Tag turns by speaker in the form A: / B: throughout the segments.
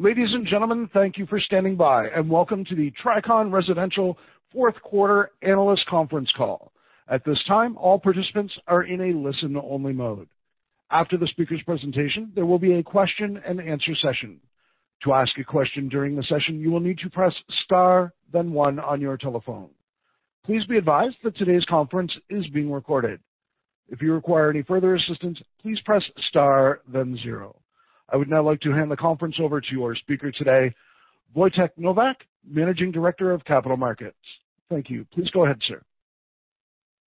A: Ladies and gentlemen, thank you for standing by, and welcome to the Tricon Residential Fourth Quarter Analyst Conference Call. At this time, all participants are in a listen-only mode. After the speaker's presentation, there will be a question and answer session. To ask a question during the session, you will need to press star then one on your telephone. Please be advised that today's conference is being recorded. If you require any further assistance, please press star then zero. I would now like to hand the conference over to our speaker today, Wojtek Nowak, Managing Director of Capital Markets. Thank you. Please go ahead, sir.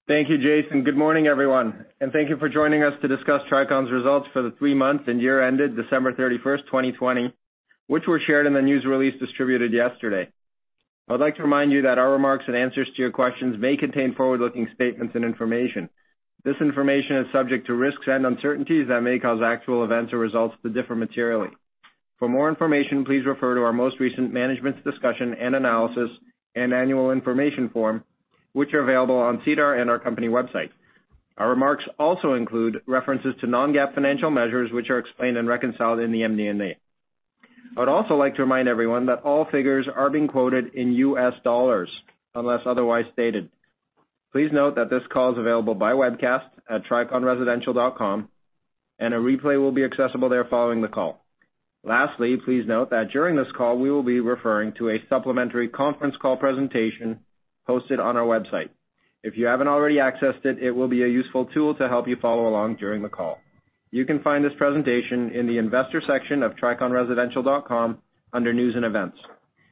B: Thank you, Jason. Good morning, everyone, and thank you for joining us to discuss Tricon's results for the three-month and year ended December 31st, 2020, which were shared in the news release distributed yesterday. I would like to remind you that our remarks and answers to your questions may contain forward-looking statements and information. This information is subject to risks and uncertainties that may cause actual events or results to differ materially. For more information, please refer to our most recent management's discussion and analysis and annual information form, which are available on SEDAR and our company website. Our remarks also include references to non-GAAP financial measures, which are explained and reconciled in the MD&A. I would also like to remind everyone that all figures are being quoted in U.S. dollars, unless otherwise stated. Please note that this call is available by webcast at triconresidential.com, and a replay will be accessible there following the call. Lastly, please note that during this call, we will be referring to a supplementary conference call presentation hosted on our website. If you haven't already accessed it will be a useful tool to help you follow along during the call. You can find this presentation in the investor section of triconresidential.com under news and events.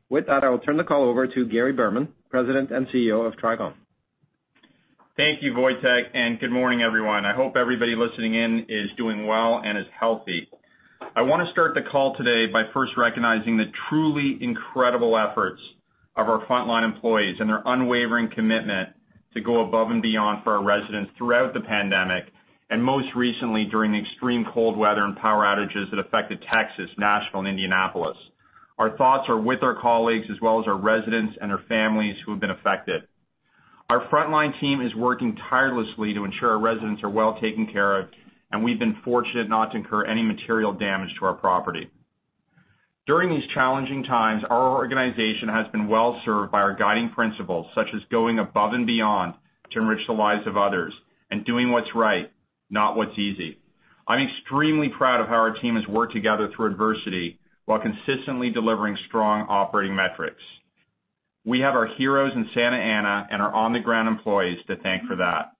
B: With that, I will turn the call over to Gary Berman, President and CEO of Tricon.
C: Thank you, Wojtek, and good morning, everyone. I hope everybody listening in is doing well and is healthy. I want to start the call today by first recognizing the truly incredible efforts of our frontline employees and their unwavering commitment to go above and beyond for our residents throughout the pandemic, and most recently, during the extreme cold weather and power outages that affected Texas, Nashville, and Indianapolis. Our thoughts are with our colleagues, as well as our residents and their families who have been affected. Our frontline team is working tirelessly to ensure our residents are well taken care of, and we've been fortunate not to incur any material damage to our property. During these challenging times, our organization has been well-served by our guiding principles, such as going above and beyond to enrich the lives of others and doing what's right, not what's easy. I'm extremely proud of how our team has worked together through adversity while consistently delivering strong operating metrics. We have our heroes in Santa Ana and our on-the-ground employees to thank for that.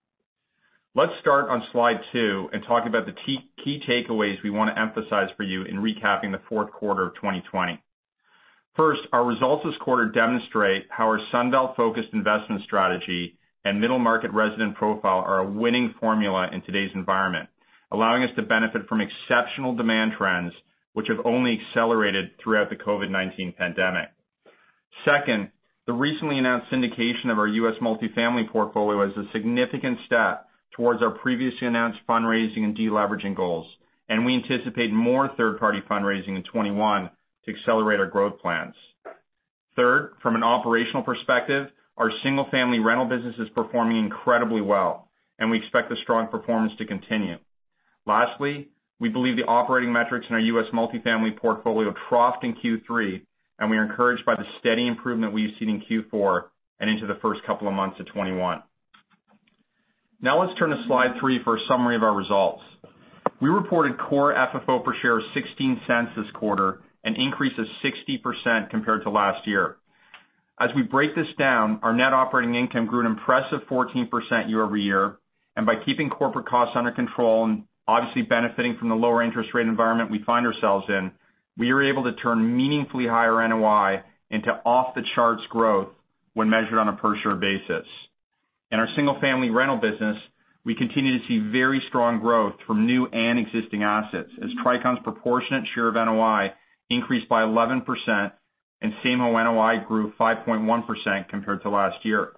C: Let's start on slide two and talk about the key takeaways we want to emphasize for you in recapping the fourth quarter of 2020. First, our results this quarter demonstrate how our Sunbelt-focused investment strategy and middle-market resident profile are a winning formula in today's environment, allowing us to benefit from exceptional demand trends, which have only accelerated throughout the COVID-19 pandemic. Second, the recently announced syndication of our U.S. multifamily portfolio was a significant step towards our previously announced fundraising and deleveraging goals, and we anticipate more third-party fundraising in 2021 to accelerate our growth plans. Third, from an operational perspective, our single-family rental business is performing incredibly well, and we expect the strong performance to continue. Lastly, we believe the operating metrics in our U.S. multifamily portfolio troughed in Q3. We are encouraged by the steady improvement we've seen in Q4 and into the first couple of months of 2021. Now let's turn to slide three for a summary of our results. We reported core FFO per share of $0.16 this quarter, an increase of 60% compared to last year. As we break this down, our net operating income grew an impressive 14% year-over-year. By keeping corporate costs under control and obviously benefiting from the lower interest rate environment we find ourselves in, we were able to turn meaningfully higher NOI into off-the-charts growth when measured on a per-share basis. In our single-family rental business, we continue to see very strong growth from new and existing assets as Tricon's proportionate share of NOI increased by 11% and same home NOI grew 5.1% compared to last year.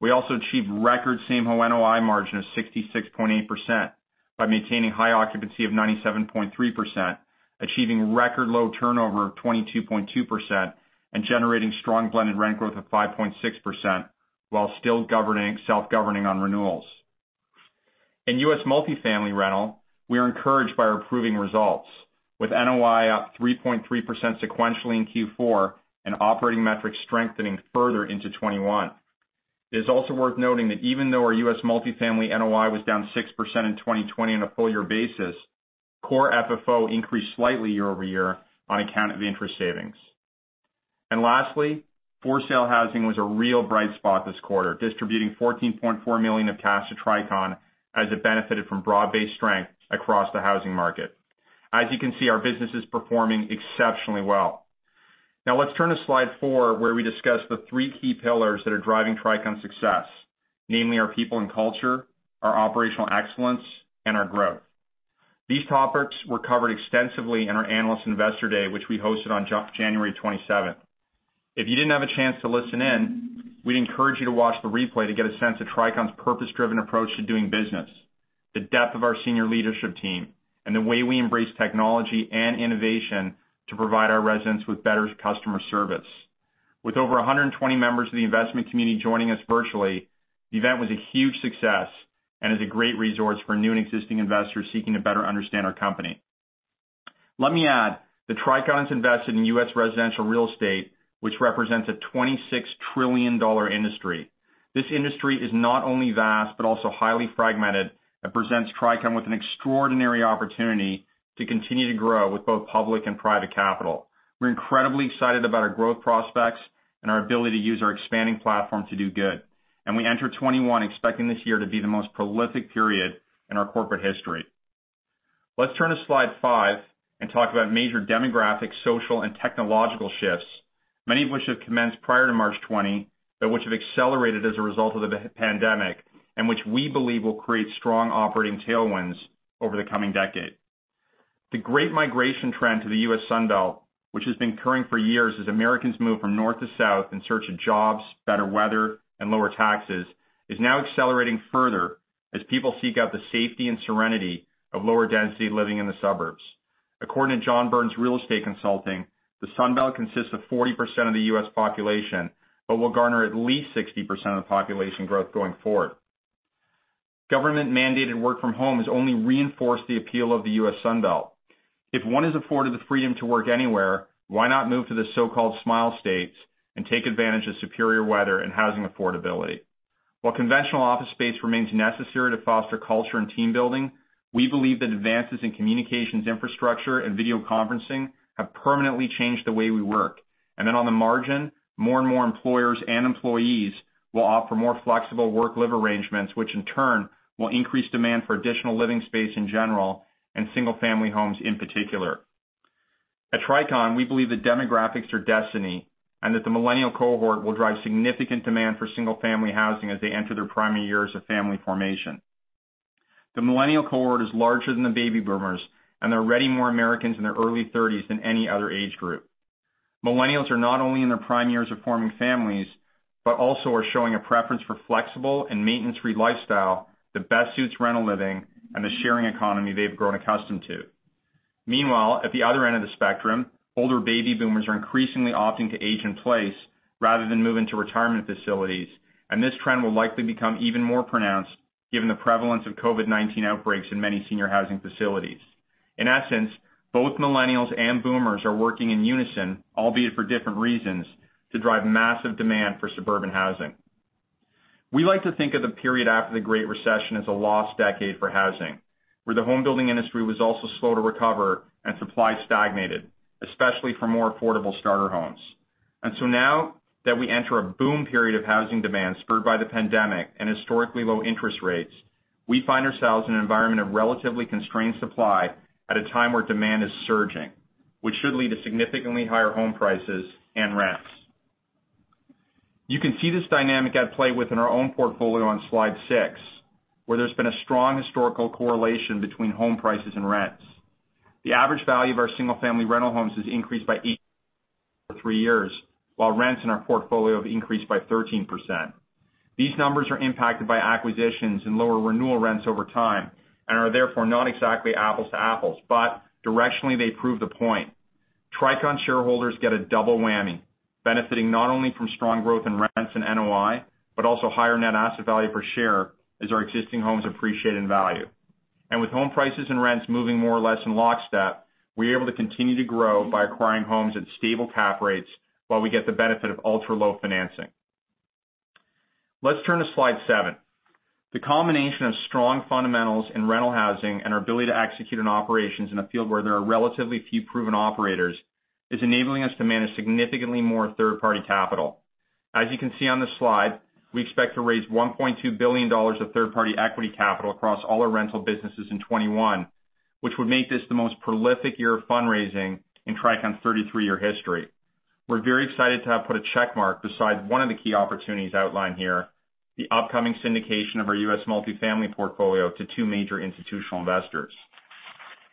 C: We also achieved record same home NOI margin of 66.8% by maintaining high occupancy of 97.3%, achieving record low turnover of 22.2% and generating strong blended rent growth of 5.6% while still self-governing on renewals. In U.S. multifamily rental, we are encouraged by our improving results, with NOI up 3.3% sequentially in Q4 and operating metrics strengthening further into 2021. It is also worth noting that even though our U.S. multifamily NOI was down 6% in 2020 on a full year basis, core FFO increased slightly year-over-year on account of the interest savings. Lastly, for-sale housing was a real bright spot this quarter, distributing $14.4 million of cash to Tricon as it benefited from broad-based strength across the housing market. As you can see, our business is performing exceptionally well. Let's turn to slide four, where we discuss the three key pillars that are driving Tricon's success, namely our people and culture, our operational excellence, and our growth. These topics were covered extensively in our Analyst Investor Day, which we hosted on January 27th. If you didn't have a chance to listen in, we'd encourage you to watch the replay to get a sense of Tricon Residential's purpose-driven approach to doing business, the depth of our senior leadership team, and the way we embrace technology and innovation to provide our residents with better customer service. With over 120 members of the investment community joining us virtually, the event was a huge success and is a great resource for new and existing investors seeking to better understand our company. Let me add that Tricon Residential's invested in U.S. residential real estate, which represents a $26 trillion industry. This industry is not only vast, but also highly fragmented and presents Tricon Residential with an extraordinary opportunity to continue to grow with both public and private capital. We're incredibly excited about our growth prospects and our ability to use our expanding platform to do good. We enter 2021 expecting this year to be the most prolific period in our corporate history. Let's turn to slide five and talk about major demographic, social, and technological shifts, many of which have commenced prior to March 2020, but which have accelerated as a result of the pandemic, and which we believe will create strong operating tailwinds over the coming decade. The great migration trend to the U.S. Sun Belt, which has been occurring for years as Americans move from north to south in search of jobs, better weather, and lower taxes, is now accelerating further as people seek out the safety and serenity of lower density living in the suburbs. According to John Burns Real Estate Consulting, the Sun Belt consists of 40% of the U.S. population, but will garner at least 60% of the population growth going forward. Government-mandated work from home has only reinforced the appeal of the U.S. Sun Belt. If one is afforded the freedom to work anywhere, why not move to the so-called Smile States and take advantage of superior weather and housing affordability? While conventional office space remains necessary to foster culture and team building, we believe that advances in communications infrastructure and video conferencing have permanently changed the way we work. That on the margin, more and more employers and employees will offer more flexible work-live arrangements, which in turn will increase demand for additional living space in general, and single-family homes in particular. At Tricon, we believe that demographics are destiny, and that the millennial cohort will drive significant demand for single-family housing as they enter their primary years of family formation. The millennial cohort is larger than the baby boomers, and there are already more Americans in their early 30s than any other age group. Millennials are not only in their prime years of forming families, but also are showing a preference for flexible and maintenance-free lifestyle that best suits rental living and the sharing economy they've grown accustomed to. Meanwhile, at the other end of the spectrum, older baby boomers are increasingly opting to age in place rather than move into retirement facilities, and this trend will likely become even more pronounced given the prevalence of COVID-19 outbreaks in many senior housing facilities. In essence, both millennials and boomers are working in unison, albeit for different reasons, to drive massive demand for suburban housing. We like to think of the period after the Great Recession as a lost decade for housing, where the home building industry was also slow to recover and supply stagnated, especially for more affordable starter homes. Now that we enter a boom period of housing demand spurred by the pandemic and historically low interest rates, we find ourselves in an environment of relatively constrained supply at a time where demand is surging, which should lead to significantly higher home prices and rents. You can see this dynamic at play within our own portfolio on slide six, where there's been a strong historical correlation between home prices and rents. The average value of our single-family rental homes has increased by 18% over three years, while rents in our portfolio have increased by 13%. These numbers are impacted by acquisitions and lower renewal rents over time, and are therefore not exactly apples to apples, but directionally, they prove the point. Tricon shareholders get a double whammy, benefiting not only from strong growth in rents and NOI, but also higher net asset value per share as our existing homes appreciate in value. With home prices and rents moving more or less in lockstep, we're able to continue to grow by acquiring homes at stable cap rates while we get the benefit of ultra-low financing. Let's turn to slide seven. The combination of strong fundamentals in rental housing and our ability to execute on operations in a field where there are relatively few proven operators is enabling us to manage significantly more third-party capital. As you can see on this slide, we expect to raise $1.2 billion of third-party equity capital across all our rental businesses in 2021, which would make this the most prolific year of fundraising in Tricon's 33-year history. We're very excited to have put a check mark beside one of the key opportunities outlined here, the upcoming syndication of our U.S. multifamily portfolio to two major institutional investors.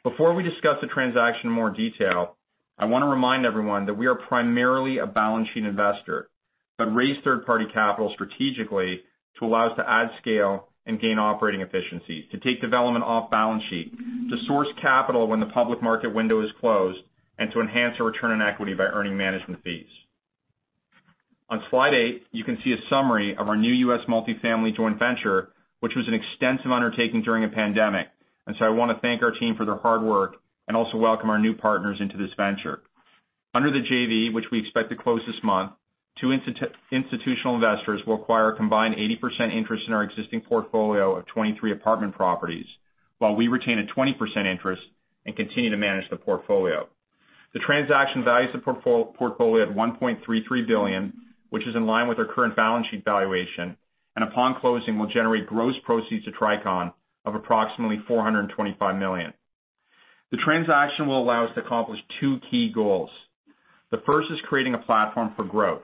C: Before we discuss the transaction in more detail, I want to remind everyone that we are primarily a balance sheet investor, but raise third-party capital strategically to allow us to add scale and gain operating efficiency, to take development off balance sheet, to source capital when the public market window is closed, and to enhance our return on equity by earning management fees. On slide eight, you can see a summary of our new U.S. multifamily joint venture, which was an extensive undertaking during a pandemic. I want to thank our team for their hard work and also welcome our new partners into this venture. Under the JV, which we expect to close this month, two institutional investors will acquire a combined 80% interest in our existing portfolio of 23 apartment properties, while we retain a 20% interest and continue to manage the portfolio. The transaction values the portfolio at $1.33 billion, which is in line with our current balance sheet valuation, and upon closing, will generate gross proceeds to Tricon of approximately $425 million. The transaction will allow us to accomplish two key goals. The first is creating a platform for growth.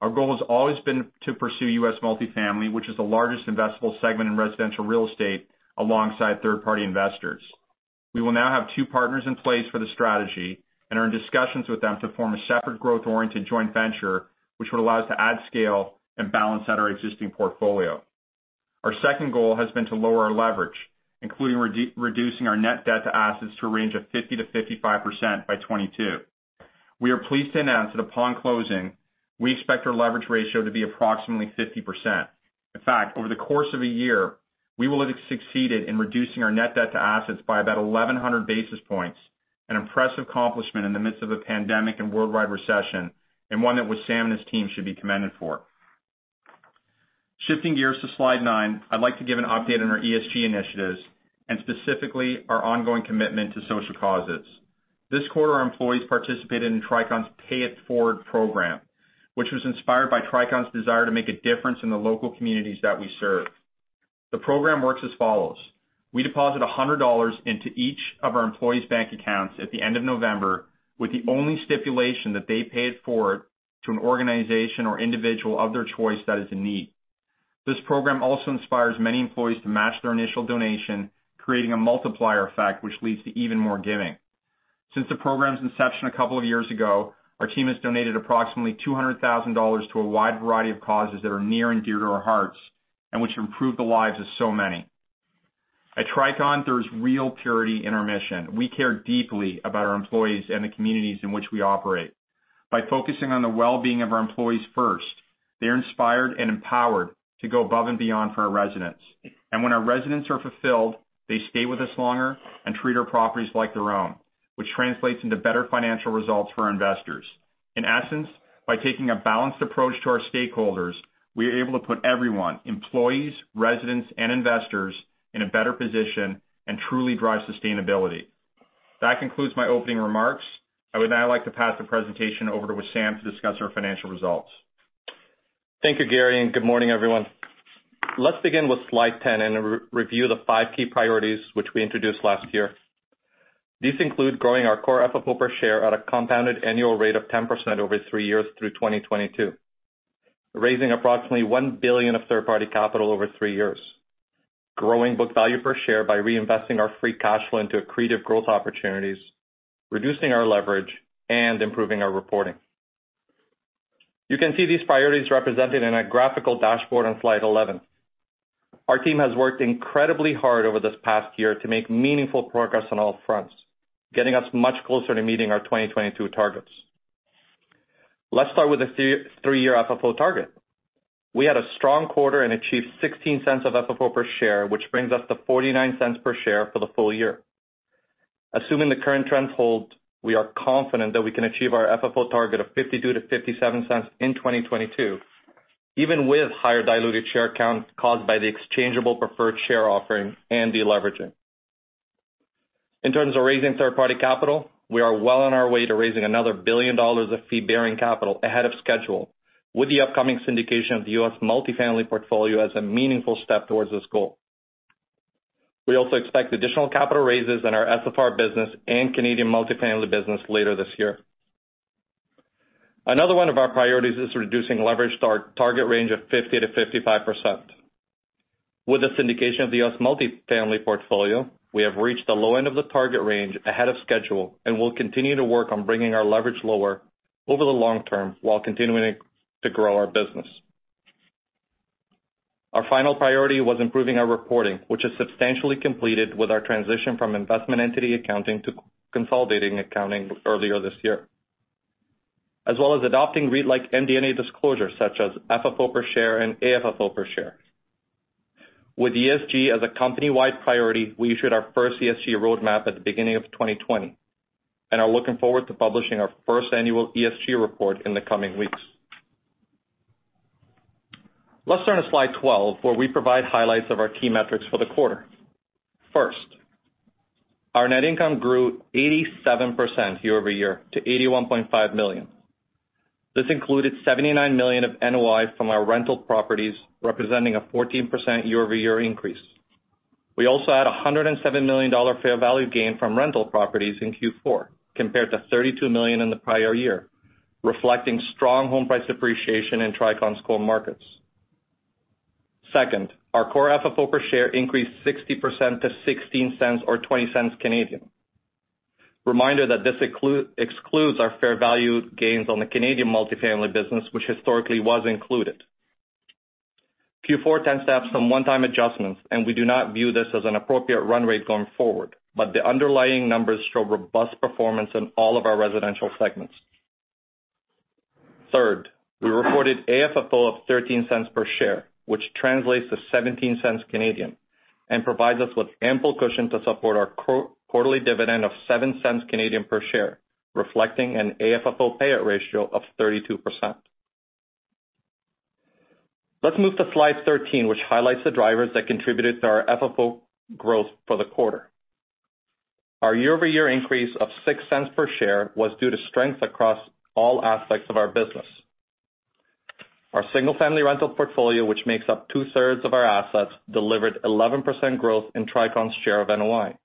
C: Our goal has always been to pursue U.S. multifamily, which is the largest investable segment in residential real estate, alongside third-party investors. We will now have two partners in place for the strategy and are in discussions with them to form a separate growth-oriented joint venture, which would allow us to add scale and balance out our existing portfolio. Our second goal has been to lower our leverage, including reducing our net debt to assets to a range of 50%-55% by 2022. We are pleased to announce that upon closing, we expect our leverage ratio to be approximately 50%. In fact, over the course of a year, we will have succeeded in reducing our net debt to assets by about 1,100 basis points, an impressive accomplishment in the midst of a pandemic and worldwide recession, and one that Wissam and his team should be commended for. Shifting gears to slide nine, I'd like to give an update on our ESG initiatives, and specifically our ongoing commitment to social causes. This quarter, our employees participated in Tricon Residential's Pay It Forward program, which was inspired by Tricon Residential's desire to make a difference in the local communities that we serve. The program works as follows. We deposit $100 into each of our employees' bank accounts at the end of November, with the only stipulation that they Pay It Forward to an organization or individual of their choice that is in need. This program also inspires many employees to match their initial donation, creating a multiplier effect, which leads to even more giving. Since the program's inception a couple of years ago, our team has donated approximately $200,000 to a wide variety of causes that are near and dear to our hearts, and which improve the lives of so many. At Tricon, there's real purity in our mission. We care deeply about our employees and the communities in which we operate. By focusing on the well-being of our employees first, they're inspired and empowered to go above and beyond for our residents. When our residents are fulfilled, they stay with us longer and treat our properties like their own, which translates into better financial results for our investors. In essence, by taking a balanced approach to our stakeholders, we are able to put everyone, employees, residents, and investors, in a better position and truly drive sustainability. That concludes my opening remarks. I would now like to pass the presentation over to Wissam to discuss our financial results.
D: Thank you, Gary, good morning, everyone. Let's begin with slide 10 and review the five key priorities which we introduced last year. These include growing our core FFO per share at a compounded annual rate of 10% over three years through 2022, raising approximately $1 billion of third-party capital over three years, growing book value per share by reinvesting our free cash flow into accretive growth opportunities, reducing our leverage, and improving our reporting. You can see these priorities represented in a graphical dashboard on slide 11. Our team has worked incredibly hard over this past year to make meaningful progress on all fronts, getting us much closer to meeting our 2022 targets. Let's start with the three-year FFO target. We had a strong quarter and achieved 0.16 of FFO per share, which brings us to 0.49 per share for the full year. Assuming the current trends hold, we are confident that we can achieve our FFO target of $0.52-$0.57 in 2022, even with higher diluted share count caused by the exchangeable preferred share offering and deleveraging. In terms of raising third-party capital, we are well on our way to raising another $1 billion of fee-bearing capital ahead of schedule, with the upcoming syndication of the U.S. multifamily portfolio as a meaningful step towards this goal. We also expect additional capital raises in our SFR business and Canadian multifamily business later this year. Another one of our priorities is reducing leverage to our target range of 50%-55%. With the syndication of the U.S. multifamily portfolio, we have reached the low end of the target range ahead of schedule and will continue to work on bringing our leverage lower over the long term while continuing to grow our business. Our final priority was improving our reporting, which is substantially completed with our transition from investment entity accounting to consolidating accounting earlier this year, as well as adopting REIT-like MD&A disclosures such as FFO per share and AFFO per share. With ESG as a company-wide priority, we issued our first ESG roadmap at the beginning of 2020 and are looking forward to publishing our first annual ESG report in the coming weeks. Let's turn to slide 12, where we provide highlights of our key metrics for the quarter. First, our net income grew 87% year-over-year to $81.5 million. This included $79 million of NOI from our rental properties, representing a 14% year-over-year increase. We also had $107 million fair value gain from rental properties in Q4, compared to $32 million in the prior year, reflecting strong home price appreciation in Tricon's core markets. Second, our core FFO per share increased 60% to $0.16 or 0.20. Reminder that this excludes our fair value gains on the Canadian multifamily business, which historically was included. Q4 tends to have some one-time adjustments, we do not view this as an appropriate run rate going forward. The underlying numbers show robust performance in all of our residential segments. Third, we reported AFFO of $0.13 per share, which translates to 0.17, and provides us with ample cushion to support our quarterly dividend of 0.07 per share, reflecting an AFFO payout ratio of 32%. Let's move to slide 13, which highlights the drivers that contributed to our FFO growth for the quarter. Our year-over-year increase of $0.06 per share was due to strength across all aspects of our business. Our single-family rental portfolio, which makes up 2/3 of our assets, delivered 11% growth in Tricon Residential's share of NOI,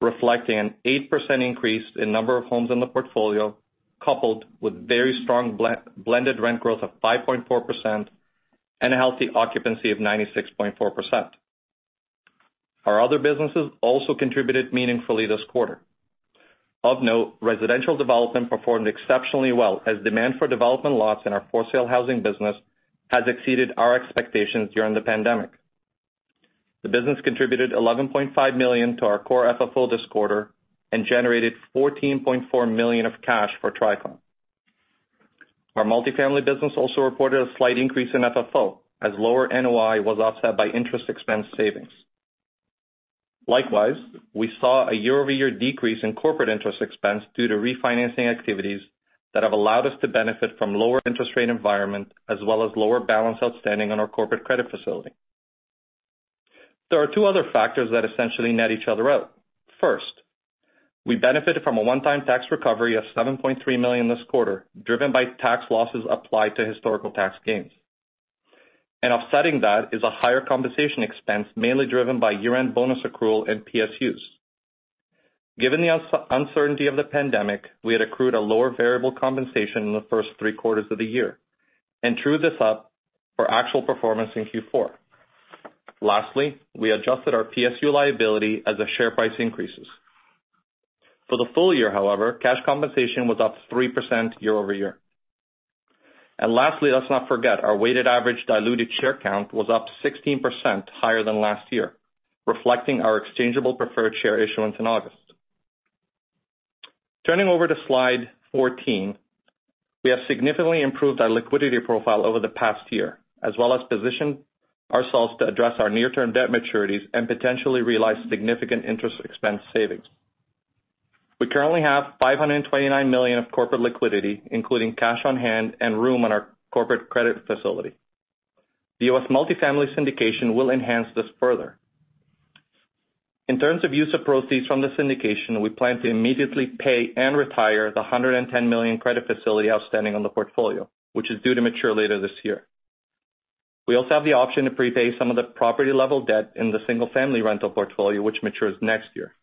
D: reflecting an 8% increase in number of homes in the portfolio, coupled with very strong blended rent growth of 5.4% and a healthy occupancy of 96.4%. Our other businesses also contributed meaningfully this quarter. Of note, residential development performed exceptionally well as demand for development lots in our for-sale housing business has exceeded our expectations during the pandemic. The business contributed $11.5 million to our core FFO this quarter and generated $14.4 million of cash for Tricon Residential. Our multi-family business also reported a slight increase in FFO as lower NOI was offset by interest expense savings. Likewise, we saw a year-over-year decrease in corporate interest expense due to refinancing activities that have allowed us to benefit from lower interest rate environment as well as lower balance outstanding on our corporate credit facility. There are two other factors that essentially net each other out. First, we benefited from a one-time tax recovery of $7.3 million this quarter, driven by tax losses applied to historical tax gains. Offsetting that is a higher compensation expense, mainly driven by year-end bonus accrual in PSUs. Given the uncertainty of the pandemic, we had accrued a lower variable compensation in the first three quarters of the year and true this up for actual performance in Q4. Lastly, we adjusted our PSU liability as the share price increases. For the full year, however, cash compensation was up 3% year-over-year. Lastly, let's not forget our weighted average diluted share count was up 16% higher than last year, reflecting our exchangeable preferred share issuance in August. Turning over to slide 14, we have significantly improved our liquidity profile over the past year, as well as positioned ourselves to address our near-term debt maturities and potentially realize significant interest expense savings. We currently have $529 million of corporate liquidity, including cash on hand and room on our corporate credit facility. The U.S. multifamily syndication will enhance this further. In terms of use of proceeds from the syndication, we plan to immediately pay and retire the $110 million credit facility outstanding on the portfolio, which is due to mature later this year. We also have the option to prepay some of the property-level debt in the single-family rental portfolio, which matures next year.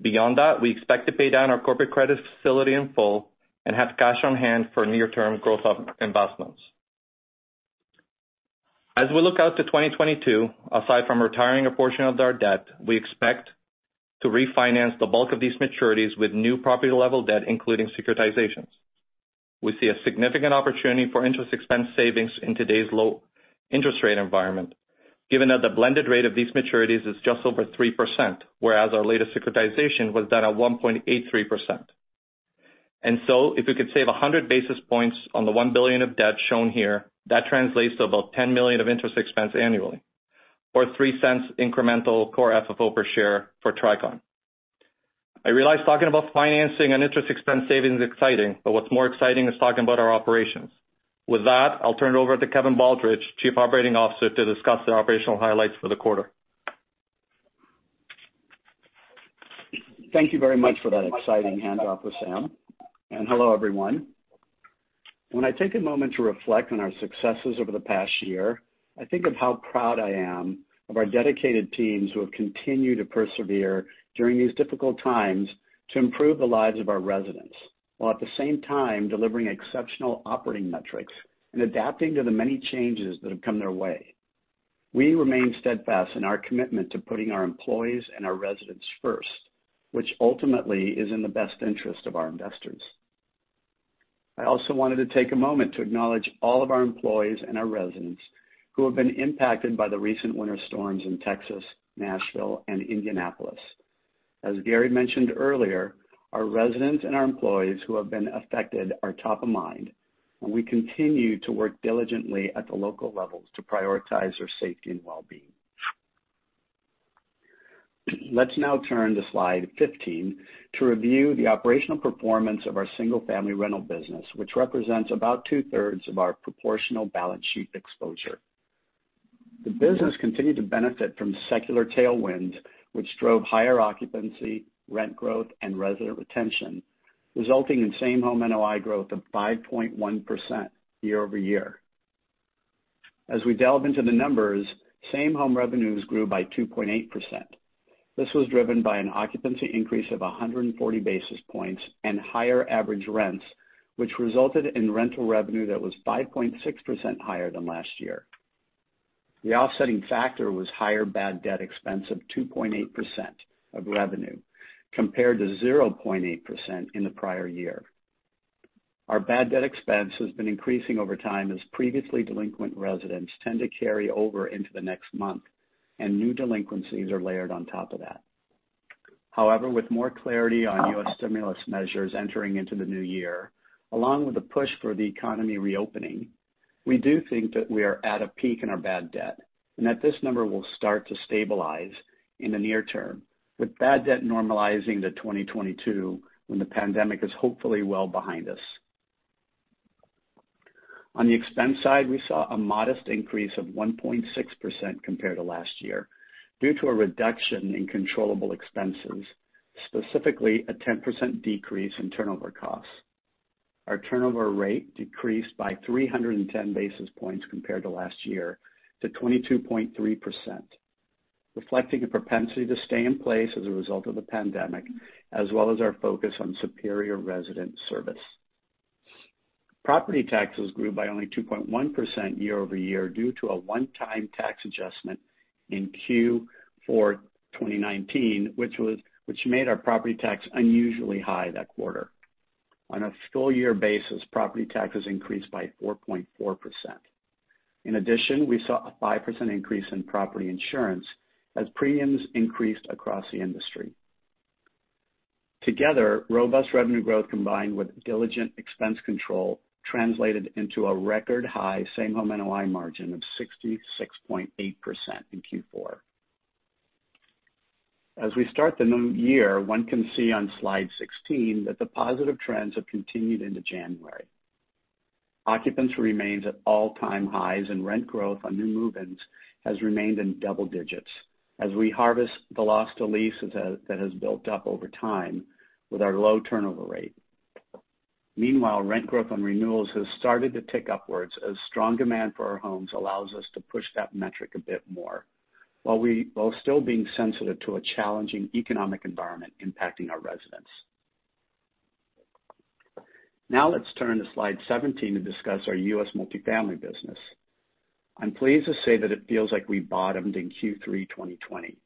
D: Beyond that, we expect to pay down our corporate credit facility in full and have cash on hand for near-term growth investments. As we look out to 2022, aside from retiring a portion of our debt, we expect to refinance the bulk of these maturities with new property-level debt, including securitizations. We see a significant opportunity for interest expense savings in today's low interest rate environment, given that the blended rate of these maturities is just over 3%, whereas our latest securitization was done at 1.83%. If we could save 100 basis points on the 1 billion of debt shown here, that translates to about $10 million of interest expense annually or $0.03 incremental core FFO per share for Tricon. I realize talking about financing and interest expense savings is exciting, but what's more exciting is talking about our operations. With that, I'll turn it over to Kevin Baldridge, Chief Operating Officer, to discuss the operational highlights for the quarter.
E: Thank you very much for that exciting handoff, Sam. Hello, everyone. When I take a moment to reflect on our successes over the past year, I think of how proud I am of our dedicated teams who have continued to persevere during these difficult times to improve the lives of our residents, while at the same time delivering exceptional operating metrics and adapting to the many changes that have come their way. We remain steadfast in our commitment to putting our employees and our residents first, which ultimately is in the best interest of our investors. I also wanted to take a moment to acknowledge all of our employees and our residents who have been impacted by the recent winter storms in Texas, Nashville, and Indianapolis. As Gary mentioned earlier, our residents and our employees who have been affected are top of mind, and we continue to work diligently at the local levels to prioritize their safety and wellbeing. Let's now turn to slide 15 to review the operational performance of our single-family rental business, which represents about two-thirds of our proportional balance sheet exposure. The business continued to benefit from secular tailwinds, which drove higher occupancy, rent growth, and resident retention, resulting in same home NOI growth of 5.1% year-over-year. As we delve into the numbers, same home revenues grew by 2.8%. This was driven by an occupancy increase of 140 basis points and higher average rents, which resulted in rental revenue that was 5.6% higher than last year. The offsetting factor was higher bad debt expense of 2.8% of revenue, compared to 0.8% in the prior year. Our bad debt expense has been increasing over time as previously delinquent residents tend to carry over into the next month, and new delinquencies are layered on top of that. However, with more clarity on U.S. stimulus measures entering into the new year, along with a push for the economy reopening, we do think that we are at a peak in our bad debt and that this number will start to stabilize in the near term, with bad debt normalizing to 2022 when the pandemic is hopefully well behind us. On the expense side, we saw a modest increase of 1.6% compared to last year due to a reduction in controllable expenses, specifically a 10% decrease in turnover costs. Our turnover rate decreased by 310 basis points compared to last year to 22.3%, reflecting a propensity to stay in place as a result of the pandemic, as well as our focus on superior resident service. Property taxes grew by only 2.1% year-over-year due to a one-time tax adjustment in Q4 2019, which made our property tax unusually high that quarter. On a full year basis, property taxes increased by 4.4%. In addition, we saw a 5% increase in property insurance as premiums increased across the industry. Together, robust revenue growth combined with diligent expense control translated into a record high same home NOI margin of 66.8% in Q4. As we start the new year, one can see on slide 16 that the positive trends have continued into January. Occupancy remains at all-time highs and rent growth on new move-ins has remained in double digits as we harvest the loss to lease that has built up over time with our low turnover rate. Meanwhile, rent growth on renewals has started to tick upwards as strong demand for our homes allows us to push that metric a bit more, while still being sensitive to a challenging economic environment impacting our residents. Let's turn to slide seventeen to discuss our U.S. multifamily business. I'm pleased to say that it feels like we bottomed in Q3 2020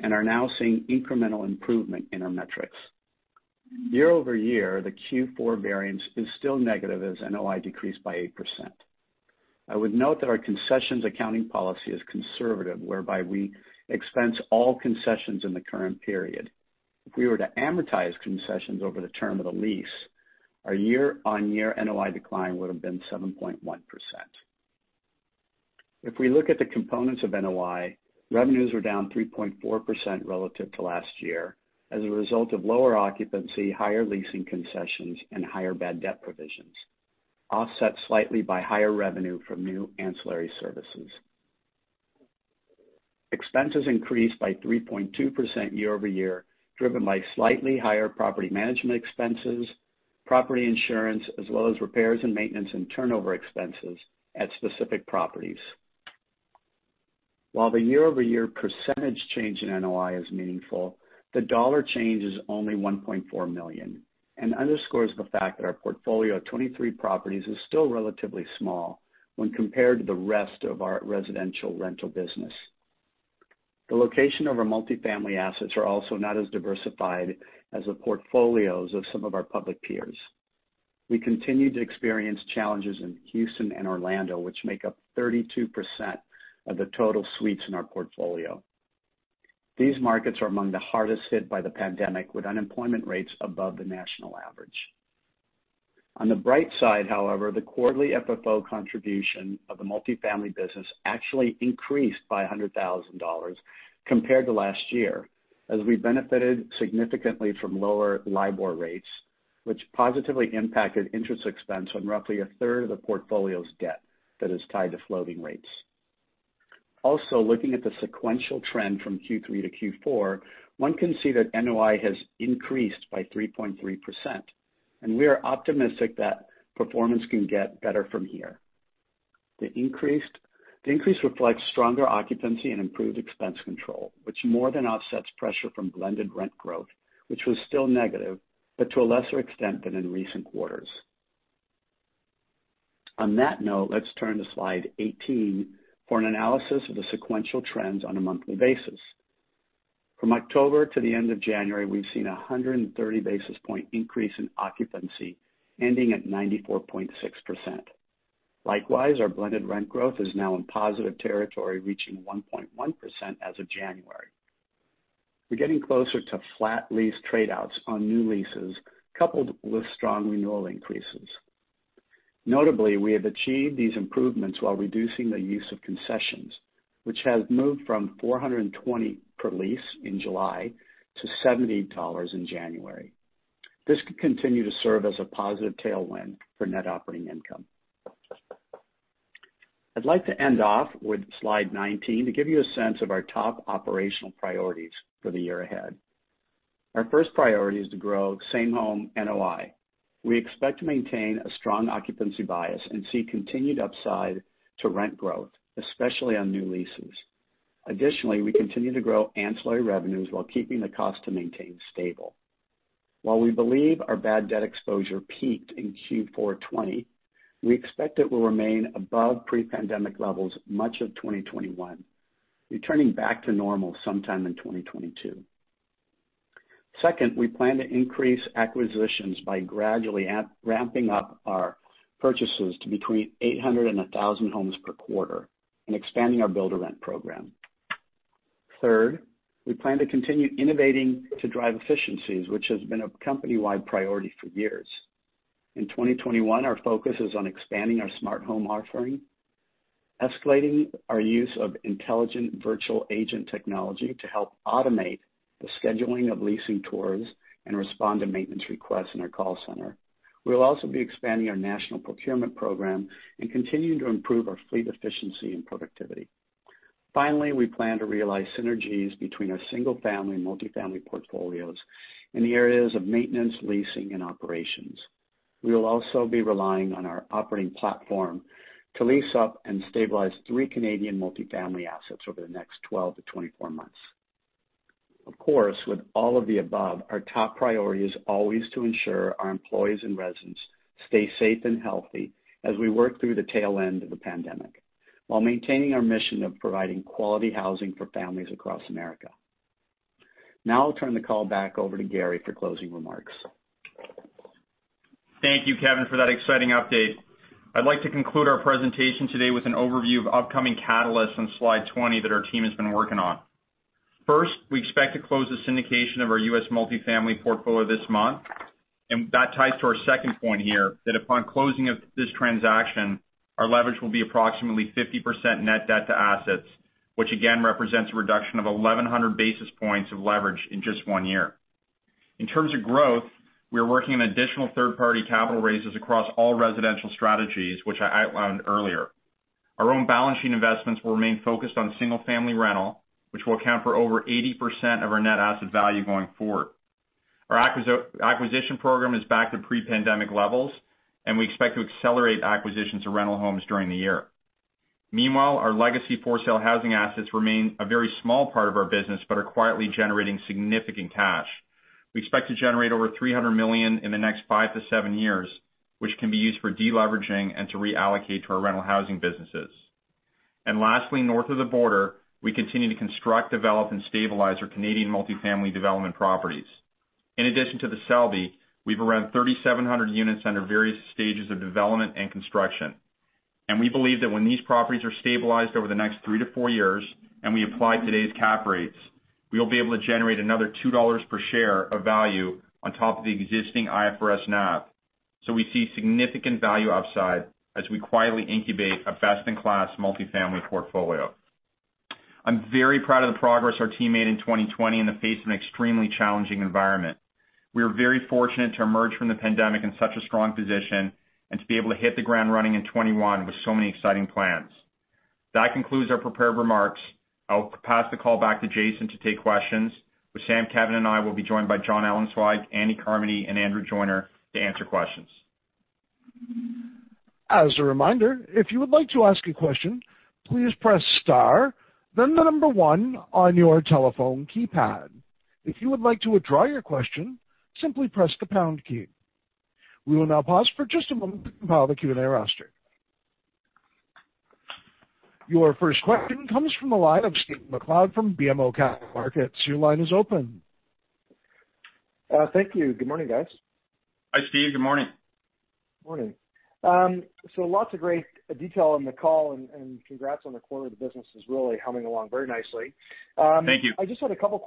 E: and are now seeing incremental improvement in our metrics. Year-over-year, the Q4 variance is still negative as NOI decreased by 8%. I would note that our concessions accounting policy is conservative, whereby we expense all concessions in the current period. If we were to amortize concessions over the term of the lease, our year-on-year NOI decline would have been 7.1%. If we look at the components of NOI, revenues were down 3.4% relative to last year as a result of lower occupancy, higher leasing concessions, and higher bad debt provisions, offset slightly by higher revenue from new ancillary services. Expenses increased by 3.2% year-over-year, driven by slightly higher property management expenses, property insurance, as well as repairs and maintenance and turnover expenses at specific properties. While the year-over-year percentage change in NOI is meaningful, the dollar change is only $1.4 million and underscores the fact that our portfolio of 23 properties is still relatively small when compared to the rest of our residential rental business. The location of our multifamily assets are also not as diversified as the portfolios of some of our public peers. We continue to experience challenges in Houston and Orlando, which make up 32% of the total suites in our portfolio. These markets are among the hardest hit by the pandemic, with unemployment rates above the national average. On the bright side, however, the quarterly FFO contribution of the multifamily business actually increased by $100,000 compared to last year as we benefited significantly from lower LIBOR rates, which positively impacted interest expense on roughly a third of the portfolio's debt that is tied to floating rates. Also, looking at the sequential trend from Q3 to Q4, one can see that NOI has increased by 3.3%, and we are optimistic that performance can get better from here. The increase reflects stronger occupancy and improved expense control, which more than offsets pressure from blended rent growth, which was still negative, but to a lesser extent than in recent quarters. On that note, let's turn to slide 18 for an analysis of the sequential trends on a monthly basis. From October to the end of January, we've seen 130 basis point increase in occupancy ending at 94.6%. Likewise, our blended rent growth is now in positive territory, reaching 1.1% as of January. We're getting closer to flat lease trade-outs on new leases, coupled with strong renewal increases. Notably, we have achieved these improvements while reducing the use of concessions, which has moved from $420 per lease in July to $70 in January. This could continue to serve as a positive tailwind for net operating income. I'd like to end off with slide 19 to give you a sense of our top operational priorities for the year ahead. Our first priority is to grow same home NOI. We expect to maintain a strong occupancy bias and see continued upside to rent growth, especially on new leases. Additionally, we continue to grow ancillary revenues while keeping the cost to maintain stable. While we believe our bad debt exposure peaked in Q4 2020, we expect it will remain above pre-pandemic levels much of 2021, returning back to normal sometime in 2022. Second, we plan to increase acquisitions by gradually ramping up our purchases to between 800 and 1,000 homes per quarter and expanding our build-to-rent program. Third, we plan to continue innovating to drive efficiencies, which has been a company-wide priority for years. In 2021, our focus is on expanding our smart home offering, escalating our use of intelligent virtual agent technology to help automate the scheduling of leasing tours and respond to maintenance requests in our call center. We will also be expanding our national procurement program and continuing to improve our fleet efficiency and productivity. Finally, we plan to realize synergies between our single-family and multi-family portfolios in the areas of maintenance, leasing, and operations. We will also be relying on our operating platform to lease up and stabilize three Canadian multi-family assets over the next 12 to 24 months. Of course, with all of the above, our top priority is always to ensure our employees and residents stay safe and healthy as we work through the tail end of the pandemic while maintaining our mission of providing quality housing for families across America. Now I'll turn the call back over to Gary for closing remarks.
C: Thank you, Kevin, for that exciting update. I'd like to conclude our presentation today with an overview of upcoming catalysts on slide 20 that our team has been working on. First, we expect to close the syndication of our U.S. multifamily portfolio this month, and that ties to our second point here, that upon closing of this transaction, our leverage will be approximately 50% net debt to assets, which again represents a reduction of 1,100 basis points of leverage in just one year. In terms of growth, we are working on additional third-party capital raises across all residential strategies, which I outlined earlier. Our own balance sheet investments will remain focused on single-family rental, which will account for over 80% of our net asset value going forward. Our acquisition program is back to pre-pandemic levels, and we expect to accelerate acquisitions of rental homes during the year. Meanwhile, our legacy for-sale housing assets remain a very small part of our business but are quietly generating significant cash. We expect to generate over $300 million in the next five to seven years, which can be used for deleveraging and to reallocate to our rental housing businesses. Lastly, north of the border, we continue to construct, develop, and stabilize our Canadian multi-family development properties. In addition to The Selby, we've around 3,700 units under various stages of development and construction. We believe that when these properties are stabilized over the next three to four years and we apply today's cap rates, we will be able to generate another $2 per share of value on top of the existing IFRS NAV. We see significant value upside as we quietly incubate a best-in-class multi-family portfolio. I'm very proud of the progress our team made in 2020 in the face of an extremely challenging environment. We are very fortunate to emerge from the pandemic in such a strong position and to be able to hit the ground running in 2021 with so many exciting plans. That concludes our prepared remarks. I'll pass the call back to Jason to take questions with Sam, Kevin, and I will be joined by Jon Ellenzweig, Andy Carmody, and Andrew Joyner to answer questions.
A: As a reminder, if you would like to ask a question, please press star then the number one on your telephone keypad. If you would like to withdraw your question, simply press the pound key. We will now pause for just a moment to compile the Q&A roster. Your first question comes from the line of Steve MacLeod from BMO Capital Markets.
F: Thank you. Good morning, guys.
C: Hi, Steve. Good morning.
F: Morning. Lots of great detail on the call, and congrats on the quarter. The business is really humming along very nicely.
C: Thank you.
F: I just had a couple of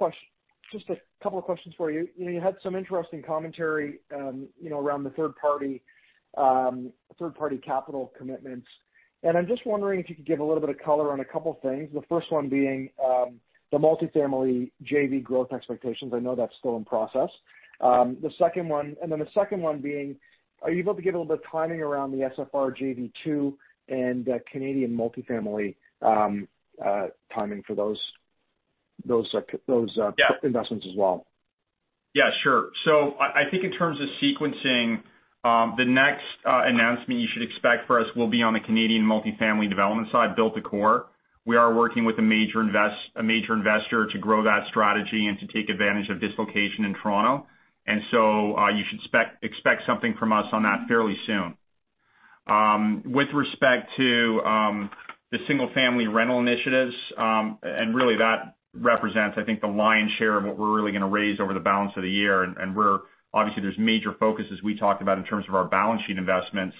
F: questions for you. You had some interesting commentary around the third-party capital commitments, and I'm just wondering if you could give a little bit of color on a couple things. The first one being, the multi-family JV growth expectations. I know that's still in process. The second one being, are you able to give a little bit of timing around the SFR JV-2 and Canadian multi-family timing for those investments as well?
C: Yeah, sure. I think in terms of sequencing, the next announcement you should expect from us will be on the Canadian multi-family development side, build-to-core. We are working with a major investor to grow that strategy and to take advantage of dislocation in Toronto. You should expect something from us on that fairly soon. With respect to the single-family rental initiatives, really that represents, I think, the lion's share of what we are really going to raise over the balance of the year. Obviously, there is major focus as we talked about in terms of our balance sheet investments.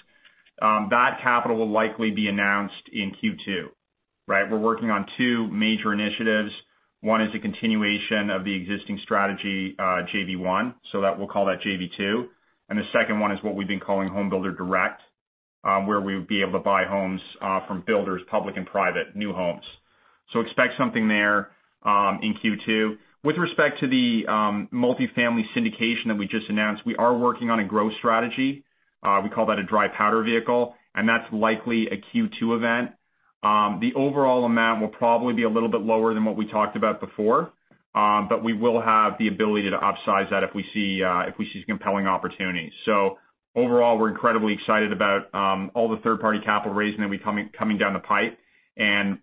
C: That capital will likely be announced in Q2, right? We are working on two major initiatives. One is a continuation of the existing strategy, JV-1. That we will call that JV-2. The second one is what we've been calling Home Builder Direct, where we would be able to buy homes from builders, public and private, new homes. Expect something there in Q2. With respect to the multifamily syndication that we just announced, we are working on a growth strategy. We call that a dry powder vehicle, and that's likely a Q2 event. The overall amount will probably be a little bit lower than what we talked about before. We will have the ability to upsize that if we see compelling opportunities. Overall, we're incredibly excited about all the third-party capital raising that will be coming down the pipe and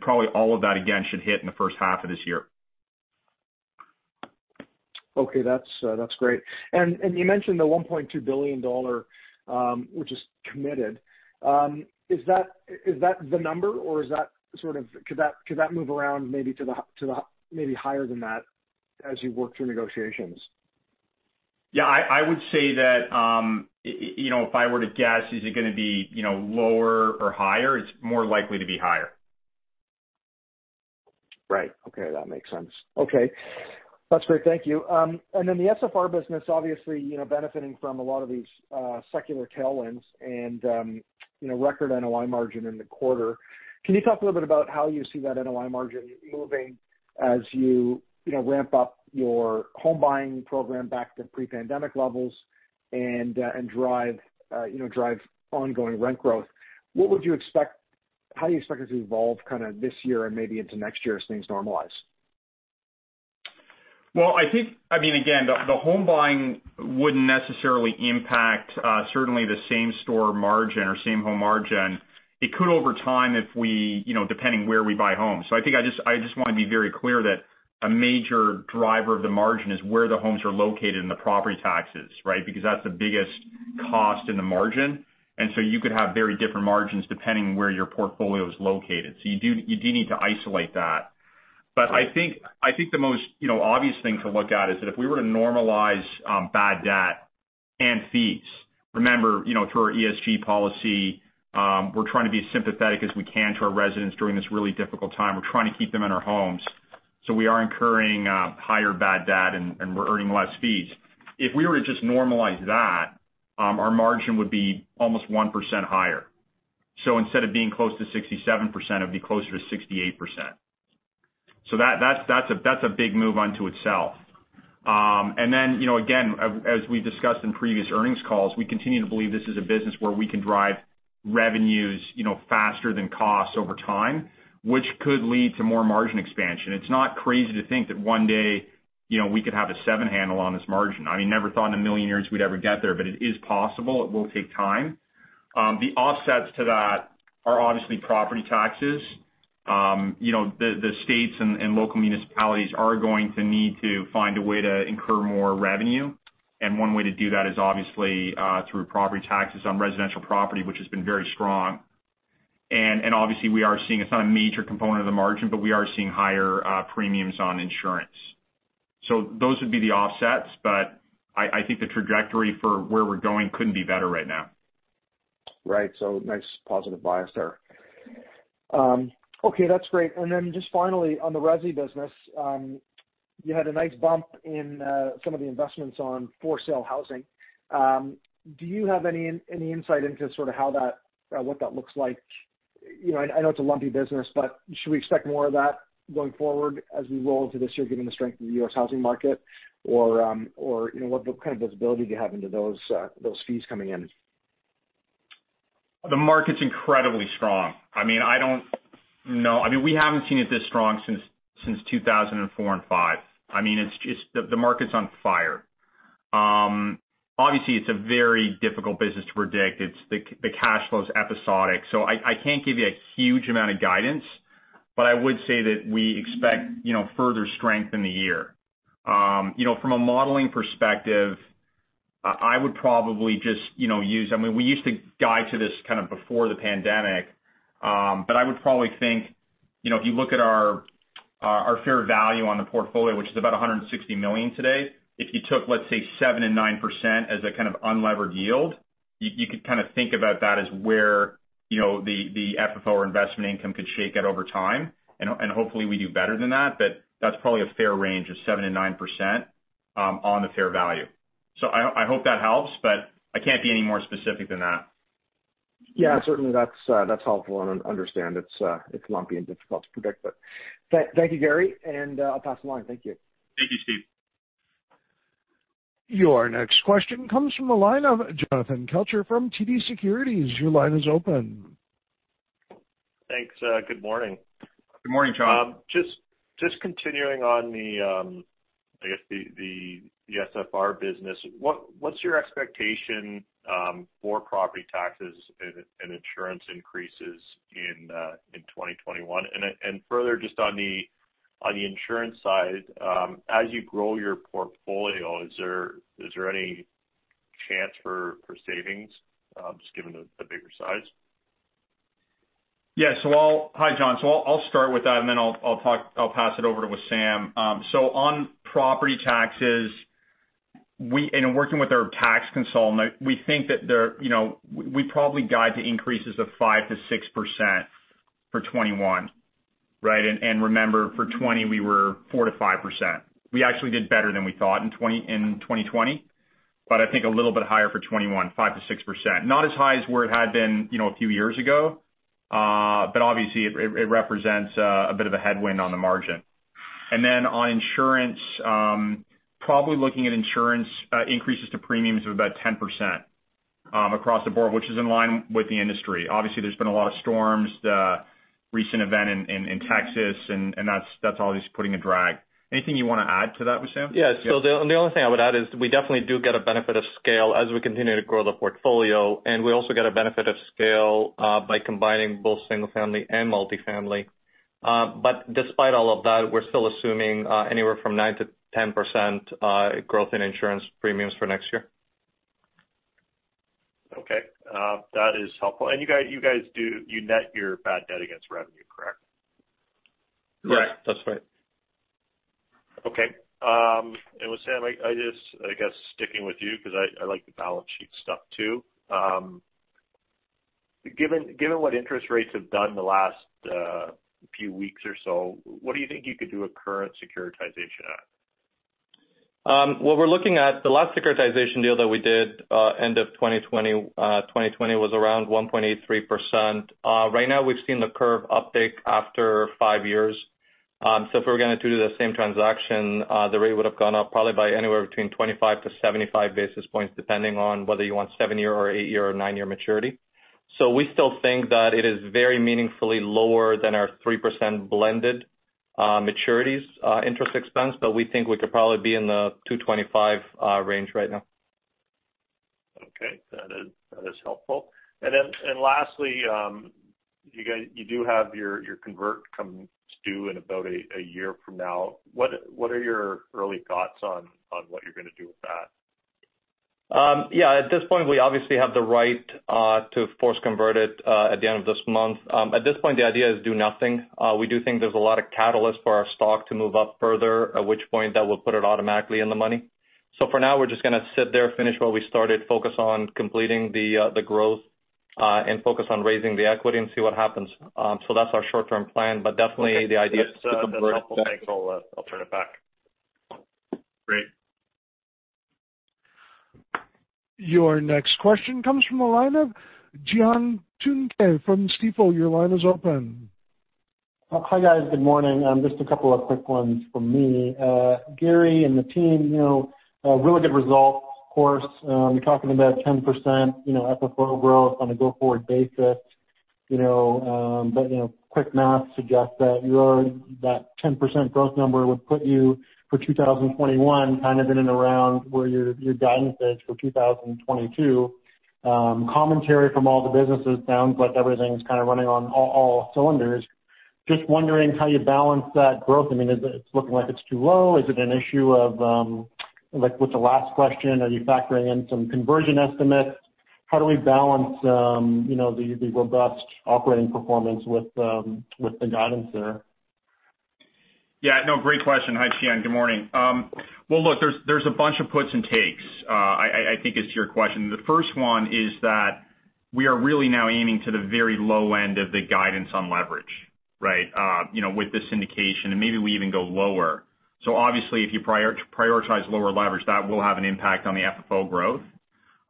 C: probably all of that, again, should hit in the first half of this year.
F: Okay. That's great. You mentioned the $1.2 billion, which is committed. Is that the number, or could that move around maybe higher than that as you work through negotiations?
C: Yeah, I would say that, if I were to guess, is it going to be lower or higher? It's more likely to be higher.
F: Right. Okay. That makes sense. Okay. That's great. Thank you. The SFR business, obviously, benefiting from a lot of these secular tailwinds and record NOI margin in the quarter. Can you talk a little bit about how you see that NOI margin moving as you ramp up your home buying program back to pre-pandemic levels and drive ongoing rent growth? How do you expect it to evolve kind of this year and maybe into next year as things normalize?
C: Well, I think, again, the home buying wouldn't necessarily impact certainly the same store margin or same home margin. It could over time depending where we buy homes. I think I just want to be very clear that a major driver of the margin is where the homes are located and the property taxes. That's the biggest cost in the margin. You could have very different margins depending on where your portfolio is located. You do need to isolate that. I think the most obvious thing to look at is that if we were to normalize bad debt and fees, remember, through our ESG policy, we're trying to be as sympathetic as we can to our residents during this really difficult time. We're trying to keep them in our homes. We are incurring higher bad debt and we're earning less fees. If we were to just normalize that, our margin would be almost 1% higher. Instead of being close to 67%, it'd be closer to 68%. That's a big move unto itself. Again, as we discussed in previous earnings calls, we continue to believe this is a business where we can drive revenues faster than costs over time, which could lead to more margin expansion. It's not crazy to think that one day, we could have a seven handle on this margin. I never thought in a million years we'd ever get there, but it is possible. It will take time. The offsets to that are obviously property taxes. The states and local municipalities are going to need to find a way to incur more revenue. One way to do that is obviously, through property taxes on residential property, which has been very strong. Obviously we are seeing, it's not a major component of the margin, but we are seeing higher premiums on insurance. Those would be the offsets, but I think the trajectory for where we're going couldn't be better right now.
F: Right. Nice positive bias there. Okay, that's great. Just finally on the resi business, you had a nice bump in some of the investments on for sale housing. Do you have any insight into sort of what that looks like? I know it's a lumpy business, but should we expect more of that going forward as we roll into this year, given the strength of the U.S. housing market? What kind of visibility do you have into those fees coming in?
C: The market's incredibly strong. We haven't seen it this strong since 2004 and 2005. The market's on fire. Obviously, it's a very difficult business to predict. The cash flow's episodic. I can't give you a huge amount of guidance, but I would say that we expect further strength in the year. From a modeling perspective, I would probably just we used to guide to this kind of before the pandemic. I would probably think, if you look at our fair value on the portfolio, which is about $160 million today. If you took, let's say 7% and 9% as a kind of unlevered yield, you could kind of think about that as where the FFO or investment income could shake out over time. Hopefully we do better than that, but that's probably a fair range of 7%-9% on the fair value. I hope that helps, but I can't be any more specific than that.
F: Certainly that's helpful and understand it's lumpy and difficult to predict, but thank you, Gary, and I'll pass the line. Thank you.
C: Thank you, Steve.
A: Your next question comes from the line of Jonathan Kelcher from TD Securities. Your line is open.
G: Thanks. Good morning.
C: Good morning, Jon.
G: Just continuing on the, I guess the SFR business. What's your expectation for property taxes and insurance increases in 2021? Further just on the insurance side, as you grow your portfolio, is there any chance for savings, just given the bigger size?
C: Yeah. Hi, Jon. I'll start with that and then I'll pass it over to Wissam. On property taxes, in working with our tax consultant, we probably guide to increases of 5%-6% for 2021. Remember for 2020, we were 4%-5%. We actually did better than we thought in 2020. I think a little bit higher for 2021, 5%-6%. Not as high as where it had been a few years ago. Obviously it represents a bit of a headwind on the margin. On insurance, probably looking at insurance increases to premiums of about 10% across the board, which is in line with the industry. Obviously, there's been a lot of storms, the recent event in Texas, and that's obviously putting a drag. Anything you want to add to that, Wissam?
D: Yeah. The only thing I would add is we definitely do get a benefit of scale as we continue to grow the portfolio. We also get a benefit of scale by combining both single-family and multi-family. Despite all of that, we're still assuming anywhere from 9%-10% growth in insurance premiums for next year.
G: Okay, that is helpful. You guys do net your bad debt against revenue, correct?
C: Correct.
D: That's right.
G: Okay. Wissam I guess sticking with you because I like the balance sheet stuff too. Given what interest rates have done in the last few weeks or so, what do you think you could do a current securitization at?
D: What we're looking at, the last securitization deal that we did end of 2020 was around 1.83%. Right now, we've seen the curve uptick after five years. If we were going to do the same transaction, the rate would have gone up probably by anywhere between 25 to 75 basis points, depending on whether you want seven year or eight year or nine year maturity. We still think that it is very meaningfully lower than our 3% blended maturities interest expense, but we think we could probably be in the 225 range right now.
G: Okay. That is helpful. Then lastly, you do have your convert coming due in about a year from now. What are your early thoughts on what you're going to do with that?
C: Yeah, at this point, we obviously have the right to force convert it at the end of this month. At this point, the idea is do nothing. We do think there's a lot of catalyst for our stock to move up further, at which point that will put it automatically in the money. For now, we're just going to sit there, finish what we started, focus on completing the growth, and focus on raising the equity and see what happens. That's our short-term plan, but definitely the idea is to convert that.
G: Okay. That's helpful, thanks. I'll turn it back.
C: Great.
A: Your next question comes from the line of Cihan Tuncay from Stifel. Your line is open.
H: Hi, guys. Good morning. Just a couple of quick ones from me. Gary and the team, really good results, of course. You're talking about 10% FFO growth on a go-forward basis. Quick math suggests that 10% growth number would put you for 2021 kind of in and around where your guidance is for 2022. Commentary from all the businesses sounds like everything's kind of running on all cylinders. Wondering how you balance that growth. I mean, is it looking like it's too low? Is it an issue of, like with the last question, are you factoring in some conversion estimates? How do we balance the robust operating performance with the guidance there?
C: Yeah. No, great question. Hi, Cihan. Good morning. There's a bunch of puts and takes, I think is your question. The first one is that we are really now aiming to the very low end of the guidance on leverage, right? With this indication, and maybe we even go lower. Obviously, if you prioritize lower leverage, that will have an impact on the FFO growth.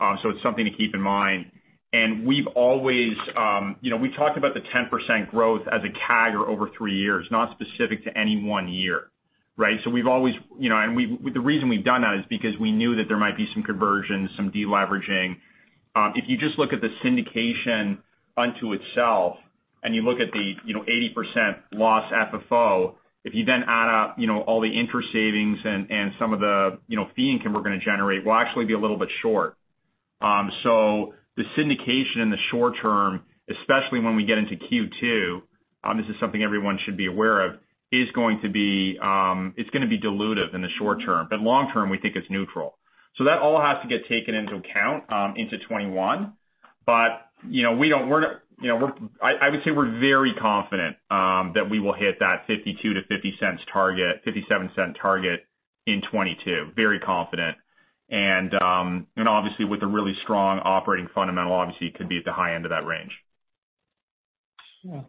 C: It's something to keep in mind. We talked about the 10% growth as a CAGR over three years, not specific to any one year, right? The reason we've done that is because we knew that there might be some conversions, some de-leveraging. If you just look at the syndication unto itself and you look at the 80% loss FFO, if you then add up all the interest savings and some of the fee income we're going to generate, we'll actually be a little bit short. The syndication in the short term, especially when we get into Q2, this is something everyone should be aware of, it's going to be dilutive in the short term. Long term, we think it's neutral. That all has to get taken into account into 2021. I would say we're very confident that we will hit that $0.52-$0.57 target in 2022. Very confident. Obviously, with a really strong operating fundamental, obviously it could be at the high end of that range.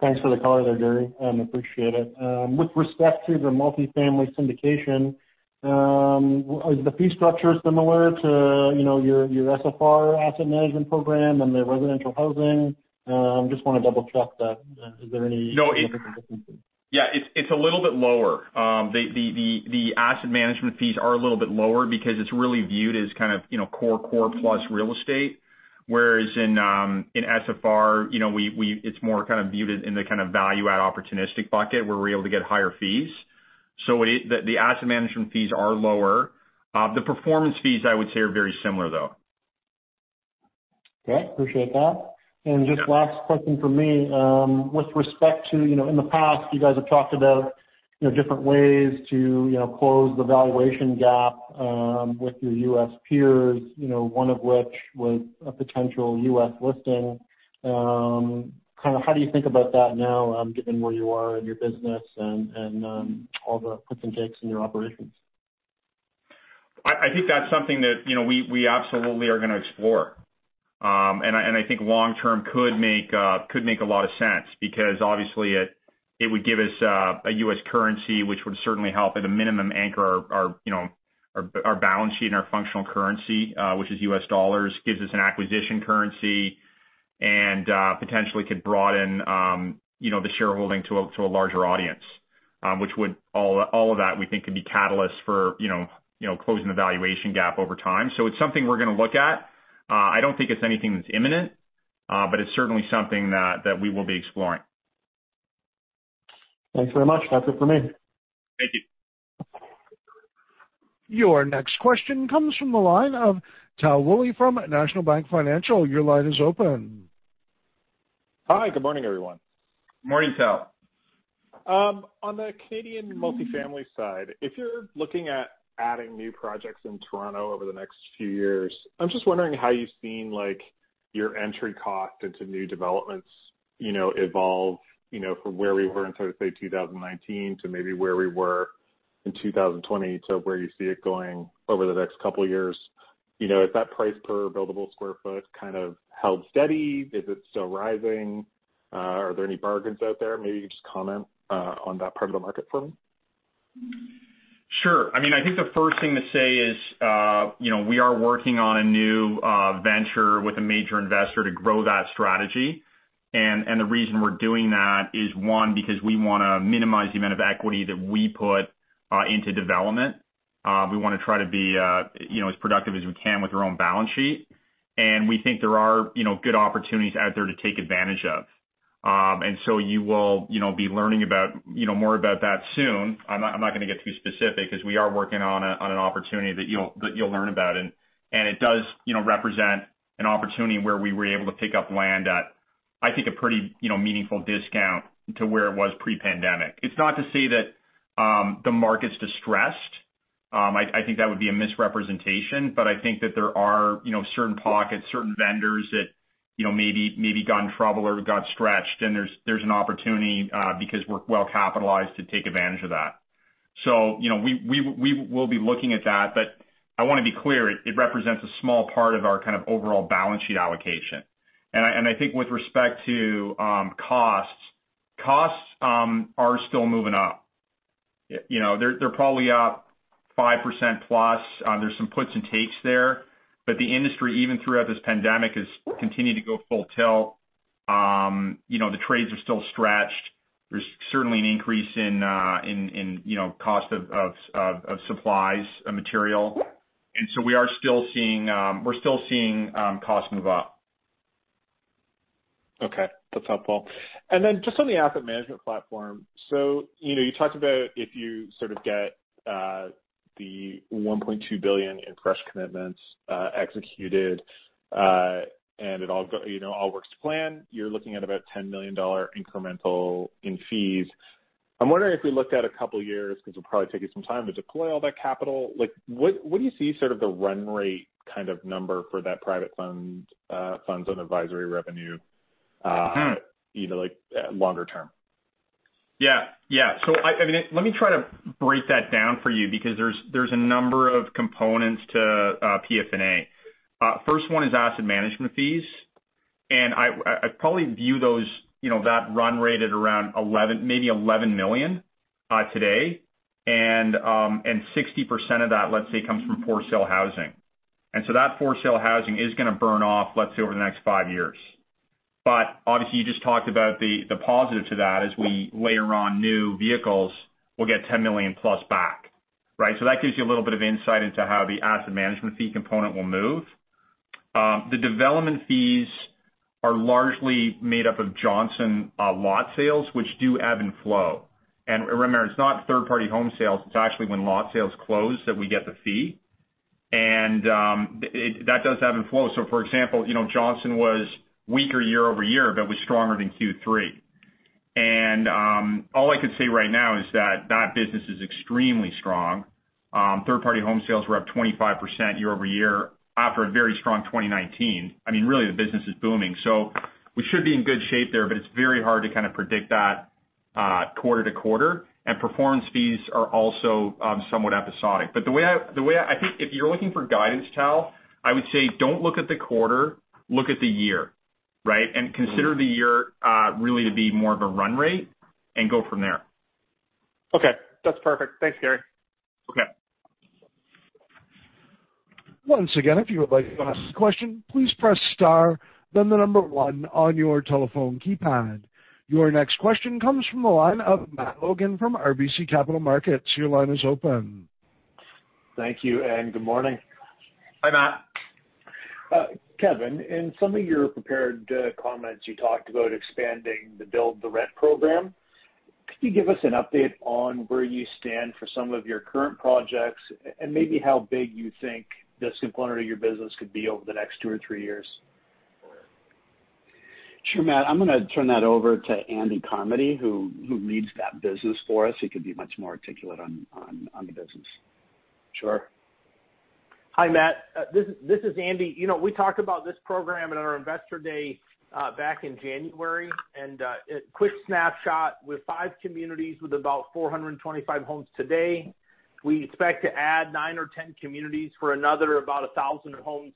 H: Thanks for the color there, Gary. Appreciate it. With respect to the multifamily syndication, is the fee structure similar to your SFR asset management program and the residential housing? Just want to double-check that.
C: No.
H: Is there any differences?
C: Yeah. It's a little bit lower. The asset management fees are a little bit lower because it's really viewed as kind of core plus real estate. Whereas in SFR, it's more kind of viewed in the kind of value-add opportunistic bucket where we're able to get higher fees. The asset management fees are lower. The performance fees, I would say, are very similar though.
H: Okay. Appreciate that. Just last question from me. In the past you guys have talked about different ways to close the valuation gap with your U.S. peers, one of which was a potential U.S. listing. How do you think about that now, given where you are in your business and all the puts and takes in your operations?
C: I think that's something that we absolutely are going to explore. I think long term could make a lot of sense because obviously it would give us a U.S. currency, which would certainly help at a minimum anchor our balance sheet and our functional currency, which is U.S. dollars. Gives us an acquisition currency and potentially could broaden the shareholding to a larger audience. All of that we think could be catalyst for closing the valuation gap over time. It's something we're going to look at. I don't think it's anything that's imminent, but it's certainly something that we will be exploring.
H: Thanks very much. That's it for me.
C: Thank you.
A: Your next question comes from the line of Tal Woolley from National Bank Financial. Your line is open.
I: Hi. Good morning, everyone.
C: Morning, Tal.
I: On the Canadian multifamily side, if you're looking at adding new projects in Toronto over the next few years, I'm just wondering how you've seen your entry cost into new developments evolve from where we were in, sort of, say 2019 to maybe where we were in 2020 to where you see it going over the next couple of years. Has that price per buildable square foot kind of held steady? Is it still rising? Are there any bargains out there? Maybe you just comment on that part of the market for me.
C: Sure. I think the first thing to say is we are working on a new venture with a major investor to grow that strategy. The reason we're doing that is one, because we want to minimize the amount of equity that we put into development. We want to try to be as productive as we can with our own balance sheet. We think there are good opportunities out there to take advantage of. You will be learning more about that soon. I'm not going to get too specific because we are working on an opportunity that you'll learn about. It does represent an opportunity where we were able to pick up land at, I think, a pretty meaningful discount to where it was pre-pandemic. It's not to say that the market's distressed. I think that would be a misrepresentation. I think that there are certain pockets, certain vendors that maybe got in trouble or got stretched, and there's an opportunity because we're well-capitalized to take advantage of that. We will be looking at that. I want to be clear, it represents a small part of our kind of overall balance sheet allocation. I think with respect to costs are still moving up. They're probably up 5%+. There's some puts and takes there. The industry, even throughout this pandemic, has continued to go full tilt. The trades are still stretched. There's certainly an increase in cost of supplies and material. We're still seeing costs move up.
I: Okay. That's helpful. Then just on the asset management platform. You talked about if you sort of get the $1.2 billion in fresh commitments executed, and it all works to plan, you're looking at about $10 million incremental in fees. I'm wondering if we looked at a couple of years, because it'll probably take you some time to deploy all that capital. What do you see sort of the run rate kind of number for that private funds on advisory revenue? Either like longer term?
C: Yeah. Let me try to break that down for you because there's a number of components to FP&A. First one is asset management fees, and I probably view that run rate at around maybe $11 million today. 60% of that, let's say, comes from for-sale housing. That for-sale housing is going to burn off, let's say, over the next five years. Obviously, you just talked about the positive to that. As we layer on new vehicles, we'll get $10 million+ back. Right? That gives you a little bit of insight into how the asset management fee component will move. The development fees are largely made up of Johnson lot sales, which do ebb and flow. Remember, it's not third-party home sales, it's actually when lot sales close that we get the fee. That does ebb and flow. For example, Johnson was weaker year-over-year, but was stronger than Q3. All I can say right now is that that business is extremely strong. Third-party home sales were up 25% year-over-year after a very strong 2019. Really, the business is booming. We should be in good shape there, but it's very hard to kind of predict that quarter-to-quarter. Performance fees are also somewhat episodic. I think if you're looking for guidance, Tal, I would say don't look at the quarter, look at the year. Right? Consider the year really to be more of a run rate, and go from there.
I: Okay. That's perfect. Thanks, Gary.
C: Okay.
A: Once again, if you would like to ask a question, please press star then the number one on your telephone keypad. Your next question comes from the line of Matt Logan from RBC Capital Markets. Your line is open.
J: Thank you, and good morning.
C: Hi, Matt.
J: Kevin, in some of your prepared comments, you talked about expanding the build-to-rent program. Could you give us an update on where you stand for some of your current projects, and maybe how big you think this component of your business could be over the next two or three years?
C: Sure, Matt. I'm going to turn that over to Andy Carmody, who leads that business for us. He can be much more articulate on the business.
J: Sure.
K: Hi, Matt. This is Andy. We talked about this program at our investor day back in January. A quick snapshot, we're five communities with about 425 homes today. We expect to add nine or 10 communities for another about 1,000 homes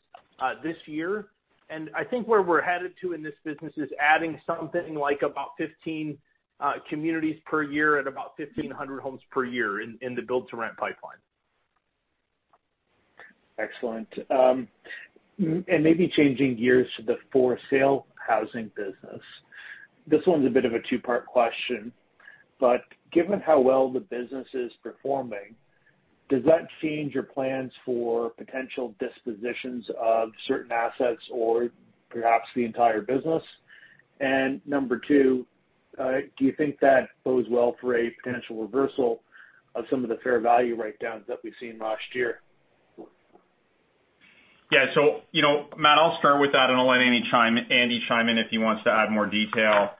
K: this year. I think where we're headed to in this business is adding something like about 15 communities per year at about 1,500 homes per year in the build-to-rent pipeline.
J: Excellent. Maybe changing gears to the for-sale housing business. This one's a bit of a two-part question. Given how well the business is performing, does that change your plans for potential dispositions of certain assets or perhaps the entire business? Number two, do you think that bodes well for a potential reversal of some of the fair value write-downs that we've seen last year?
C: Matt, I'll start with that and I'll let Andy chime in if he wants to add more detail.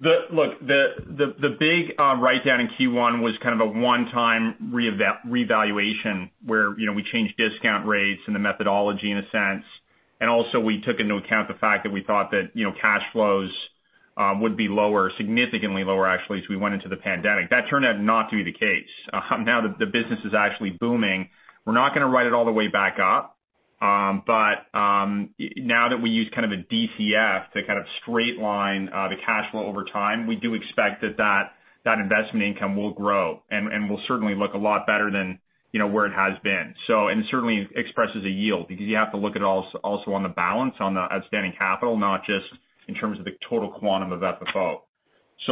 C: Look, the big write-down in Q1 was kind of a one-time revaluation where we changed discount rates and the methodology in a sense. Also we took into account the fact that we thought that cash flows would be lower, significantly lower actually, as we went into the pandemic. That turned out not to be the case. Now the business is actually booming. We're not going to write it all the way back up. Now that we use kind of a DCF to kind of straight line the cash flow over time, we do expect that that investment income will grow and will certainly look a lot better than where it has been. It certainly expresses a yield because you have to look at it also on the outstanding capital, not just in terms of the total quantum of FFO.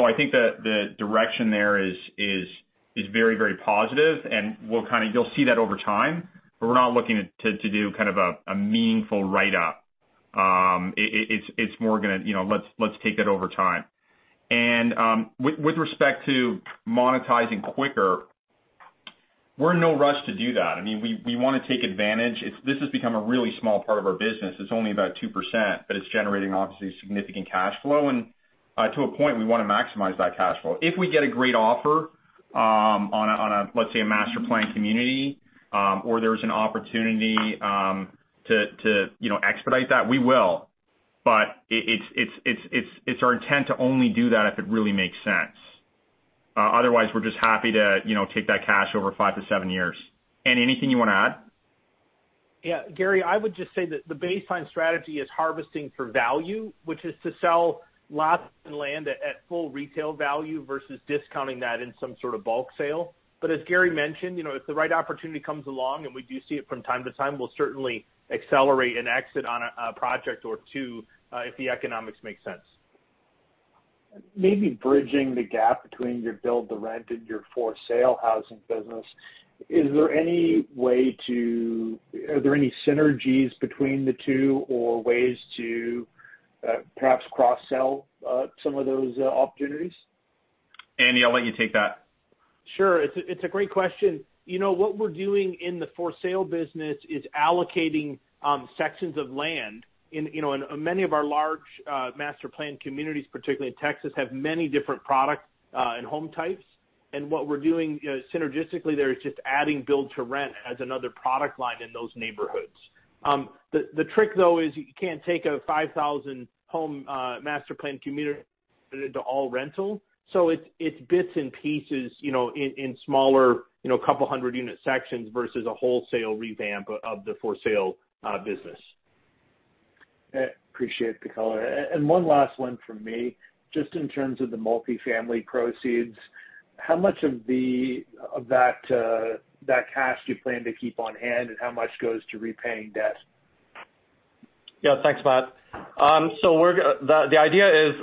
C: I think that the direction there is very positive, and you'll see that over time. We're not looking to do a meaningful write-up. It's more, let's take that over time. With respect to monetizing quicker, we're in no rush to do that. We want to take advantage. This has become a really small part of our business. It's only about 2%, but it's generating, obviously, significant cash flow. To a point, we want to maximize that cash flow. If we get a great offer on a, let's say, a master-planned community, or there's an opportunity to expedite that, we will. It's our intent to only do that if it really makes sense. Otherwise, we're just happy to take that cash over five to seven years. Andy, anything you want to add?
K: Yeah. Gary, I would just say that the baseline strategy is harvesting for value, which is to sell lots and land at full retail value versus discounting that in some sort of bulk sale. As Gary mentioned, if the right opportunity comes along, and we do see it from time to time, we'll certainly accelerate an exit on a project or two if the economics make sense.
J: Maybe bridging the gap between your build-to-rent and your for-sale housing business, are there any synergies between the two or ways to perhaps cross-sell some of those opportunities?
C: Andy, I'll let you take that.
K: Sure. It's a great question. What we're doing in the for sale business is allocating sections of land. In many of our large master-planned communities, particularly in Texas, have many different product and home types. What we're doing synergistically there is just adding build-to-rent as another product line in those neighborhoods. The trick, though, is you can't take a 5,000-home master-planned community and turn it into all rental. It's bits and pieces in smaller, couple hundred unit sections versus a wholesale revamp of the for sale business.
J: Appreciate the color. One last one from me. Just in terms of the multi-family proceeds, how much of that cash do you plan to keep on hand, and how much goes to repaying debt?
D: Yeah. Thanks, Matt. The idea is,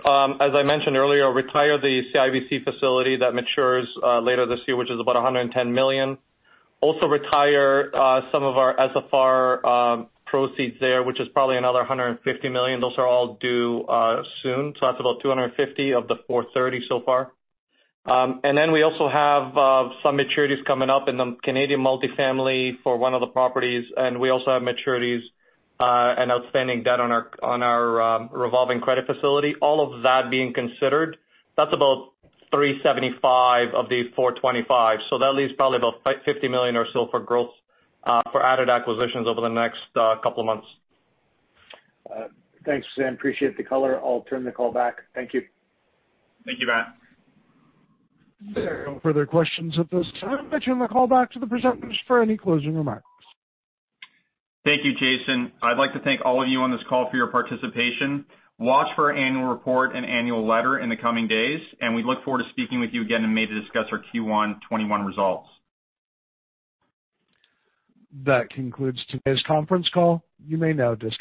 D: as I mentioned earlier, retire the CIBC facility that matures later this year, which is about $110 million. Also retire some of our SFR proceeds there, which is probably another $150 million. Those are all due soon. That's about $25 million of the $430 million so far. We also have some maturities coming up in the Canadian multi-family for one of the properties, and we also have maturities and outstanding debt on our revolving credit facility. All of that being considered, that's about $375 million of the $425 million. That leaves probably about $50 million or so for growth for added acquisitions over the next couple of months.
J: Thanks, Sam. Appreciate the color. I'll turn the call back. Thank you.
C: Thank you, Matt.
A: There are no further questions at this time. I turn the call back to the presenters for any closing remarks.
C: Thank you, Jason. I'd like to thank all of you on this call for your participation. Watch for our annual report and annual letter in the coming days, and we look forward to speaking with you again in May to discuss our Q1 2021 results.
A: That concludes today's conference call. You may now disconnect.